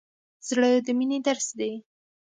زړه د مینې درس دی.